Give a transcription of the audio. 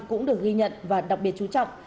cũng được ghi nhận và đặc biệt chú trọng